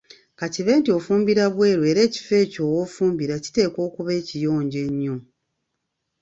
Ka kibe nti ofumbira bweru era ekifo ekyo w‘ofumbira kiteekwa okuba ekiyonjo ennyo.